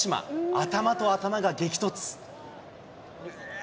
頭と頭が激突。